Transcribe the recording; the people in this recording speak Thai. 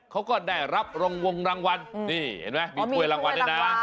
เขาก็ได้รับรองวงรางวัลนี่เห็นไหมมีถ้วยรางวัลด้วยนะ